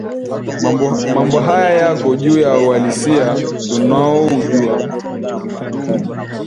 Mambo haya yako juu ya uhalisia tunaoujua